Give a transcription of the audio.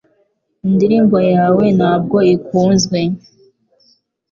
Indirimbo yawe ntabwo ikunzwe